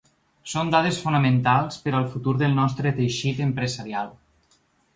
Són dades fonamentals per al futur del nostre teixit empresarial.